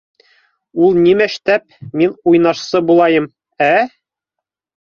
Ул нимәштәп мин уйнашсы булайым, ә?